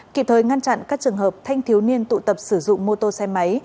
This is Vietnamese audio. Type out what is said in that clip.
kịp thời ngăn chặn các trường hợp thanh thiếu niên tụ tập sử dụng mô tô xe máy